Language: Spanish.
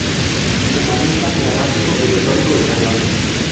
Humanista, gramático y retórico español.